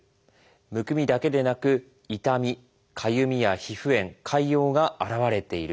むくみだけでなく痛みかゆみや皮膚炎潰瘍が現れている。